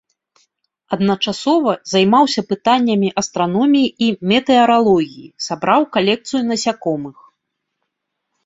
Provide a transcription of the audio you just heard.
Адначасова займаўся пытаннямі астраноміі і метэаралогіі, сабраў калекцыю насякомых.